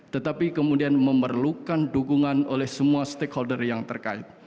tetapi kemudian memerlukan dukungan oleh semua stakeholder yang terkait